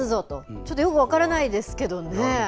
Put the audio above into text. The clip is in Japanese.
ちょっとよく分からないですけどね。